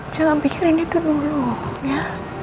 jangan pikirin itu dulu ya